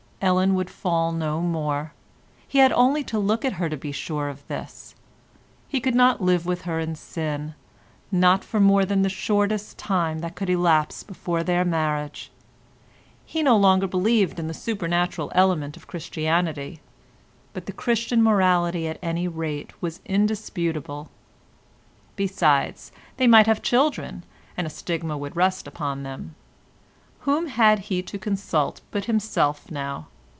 Ellen would fall no more. He had only to look at her to be sure of this. He could not live with her in sin, not for more than the shortest time that could elapse before their marriage; he no longer believed in the supernatural element of Christianity, but the Christian morality at any rate was indisputable. Besides, they might have children, and a stigma would rest upon them. Whom had he to consult but himself now?